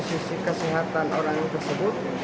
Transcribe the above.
sisi kesehatan orang tersebut